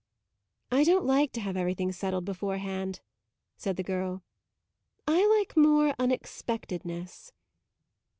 "I don't like to have everything settled beforehand," said the girl. "I like more unexpectedness."